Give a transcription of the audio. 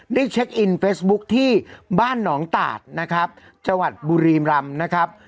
ได้เช็คอินเฟซบุ๊คที่บ้านหนองตาดนะครับจังหวัดบุรีรำนะครับ